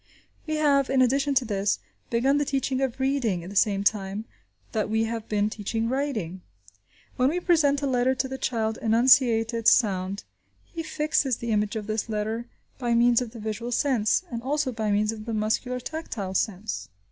We have, in addition to this, begun the teaching of reading at the same time that we have been teaching writing. When we present a letter to the child and enunciate its sound, he fixes the image of this letter by means of the visual sense, and also by means of the muscular tactile sense.